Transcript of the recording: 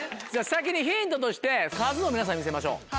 先にヒントとして数を皆さんに見せましょう。